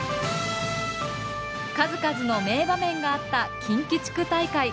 数々の名場面があった近畿地区大会。